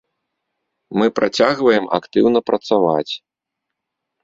Мы працягваем актыўна працаваць.